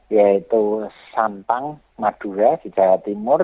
yaitu sampang madura di jawa timur